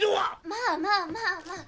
まあまあまあまあ。